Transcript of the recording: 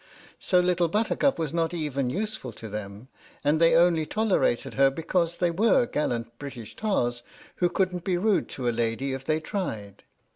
So Little Buttercup was not even useful to them, and they only tolerated her because they were gallant British Tars who couldn't be rude to a lady if they tried.